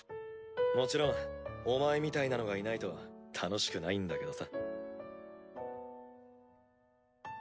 もちろんお前みたいなのがいないと楽しくないんだけどさ。